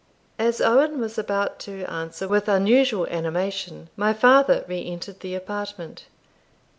As Owen was about to answer with unusual animation, my father re entered the apartment.